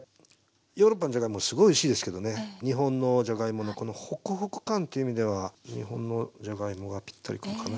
ヨーロッパのじゃがいももすごいおいしいですけどね日本のじゃがいものこのホクホク感っていう意味では日本のじゃがいもがぴったりくるかな。